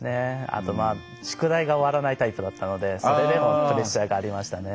あと宿題が終わらないタイプだったのでそれでもプレッシャーがありましたね。